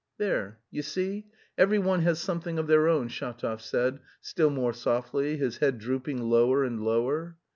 "There, you see. Every one has something of their own," Shatov said, still more softly, his head drooping lower and lower.